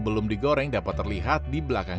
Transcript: belum digoreng dapat terlihat di belakang